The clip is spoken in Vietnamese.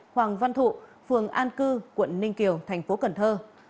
hoàng văn thụ phường an cư quận ninh kiều thành phố cần thơ